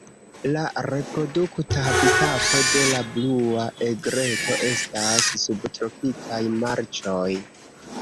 La reprodukta habitato de la Blua egreto estas subtropikaj marĉoj.